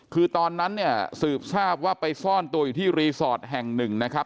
คือตอนนั้นเนี่ยสืบทราบว่าไปซ่อนตัวอยู่ที่รีสอร์ทแห่งหนึ่งนะครับ